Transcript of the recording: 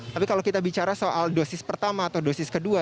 tapi kalau kita bicara soal dosis pertama atau dosis kedua